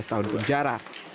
lima belas tahun penjara